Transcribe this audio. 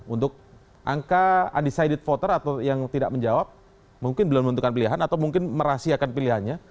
untuk angka undecided voter atau yang tidak menjawab mungkin belum menentukan pilihan atau mungkin merahasiakan pilihannya